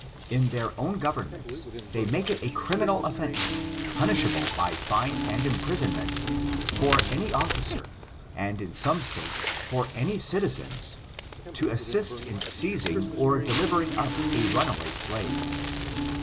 In iheir own governments, they make it a criminal offence, punishable by fine and imprisonment, for any officer, and in some States for any cilizetu, to assist in seizing or * delivering up ' a fugitive slave.